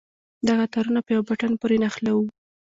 دغه تارونه په يوه بټن پورې نښلوو.